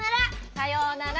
さようなら。